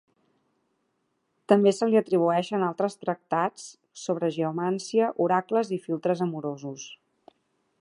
També se li atribueixen altres tractats sobre geomància, oracles i filtres amorosos.